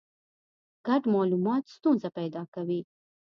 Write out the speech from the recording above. ګډ مالومات ستونزه پیدا کوي.